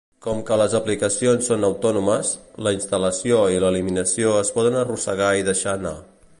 Com que les aplicacions són autònomes, la instal·lació i l'eliminació es poden arrossegar i deixar anar.